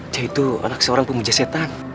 dia itu anak seorang pemuja setan